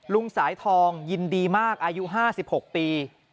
ลุงสายทองยินดีมากอายุ๕๖ปี